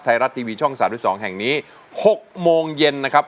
ไทยรัฐทีวีช่องสามด้วยสองแห่งนี้หกโมงเย็นนะครับ